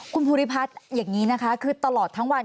คุณภูริพัฒน์อย่างนี้นะคะคือตลอดทั้งวัน